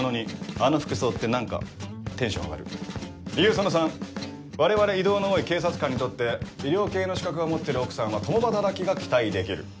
その３我々異動の多い警察官にとって医療系の資格を持ってる奥さんは共働きが期待できる。